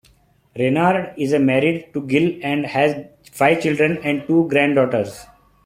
Reynard is married to Gill and has five children and two granddaughters.